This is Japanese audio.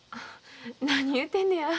何言うてんのや。